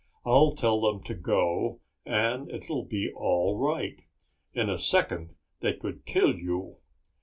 I'll tell them to go and it will be all right. In a second they could kill you."